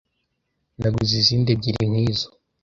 Naguze izindi ebyiri nkizo.